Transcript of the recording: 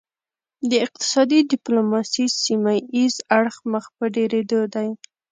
د اقتصادي ډیپلوماسي سیمه ایز اړخ مخ په ډیریدو دی